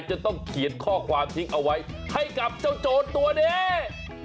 จนต้องเขียนข้อความทิ้งเอาไว้ให้กับเจ้าโจรตัวนี้